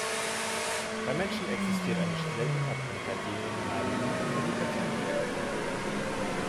Beim Menschen existiert eine seltene Erbkrankheit, die maligne Hyperthermie.